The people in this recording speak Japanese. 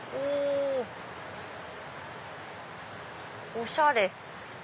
おしゃれ。